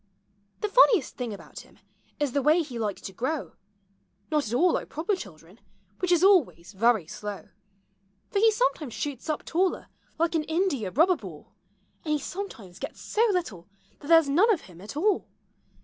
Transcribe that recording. The funniest thing about him is the way he likes to grow — Not at all like proper children, which is always very slow ; For he sometimes shoots up taller like an india rubber ball. And he sometimes gets so little that there 's none of him at all.